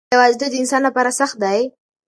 آیا یوازیتوب د انسان لپاره سخت دی؟